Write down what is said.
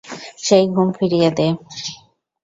সেই ঘুম ফিরিয়ে দে।